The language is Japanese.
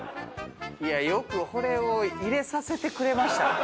よくこれを入れさせてくれましたね。